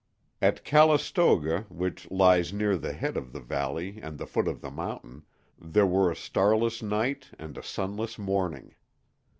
At Calistoga, which lies near the head of the valley and the foot of the mountain, there were a starless night and a sunless morning.